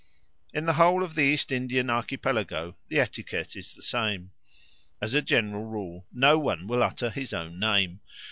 In the whole of the East Indian Archipelago the etiquette is the same. As a general rule no one will utter his own name.